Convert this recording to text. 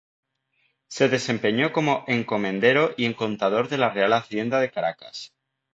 Se desempeñó como encomendero y contador de la Real Hacienda de Caracas.